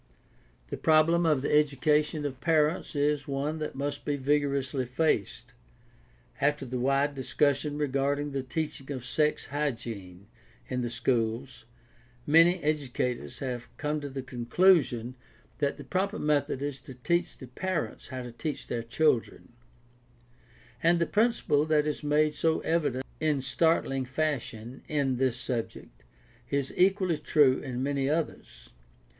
The problem of the education of parents is one that must be vigorously faced. After the wide discussion regarding the teaching of sex hygiene in the schools, many educators have come to the conclusion that the proper method is to teach the parents how to teach their children ; and the principle that is made so evident in startling fashion in this subject is equally true in many others.